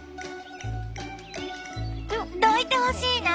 どいてほしいな。